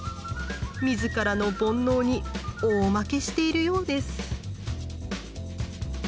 自らの煩悩に大負けしているようです。